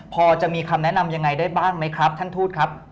พอจะมีคำแนะนำยังไงได้บ้างไหมครับท่านทูตครับ